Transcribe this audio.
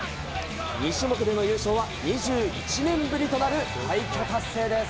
２種目での優勝は２１年ぶりとなる快挙達成です。